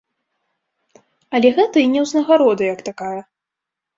Але гэта і не ўзнагарода як такая.